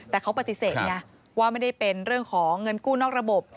แต่เขาปฏิเสธไงว่าไม่ได้เป็นเรื่องของเงินกู้นอกระบบ